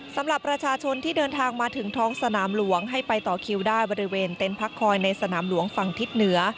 สำหรับประชาชนที่เดินทางมาถึงท้องสนามหลวงให้ไปต่อคิวได้บริเวณเต็นต์พักคอยในสนามหลวงฝั่งทิศเหนือ